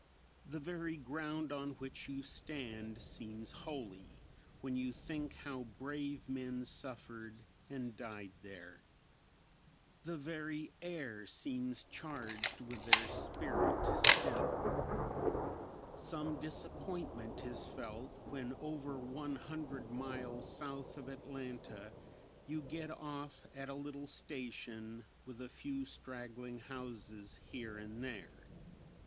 The very ground on which you stand seems holy, when you think how brave men suffered and died there. The very air seems charged with their spirit still. Some disappointment is felt when over one hundred miles south of Atlanta you get off at a little station, with a few straggling houses here and there.